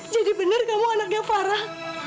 jadi benar kamu anaknya farah